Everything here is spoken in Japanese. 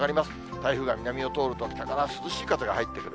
台風が南を通ると涼しい風が入ってくる。